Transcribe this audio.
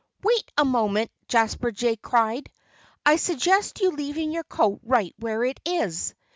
"Wait a moment!" Jasper Jay cried. "I'd suggest your leaving your coat right where it is.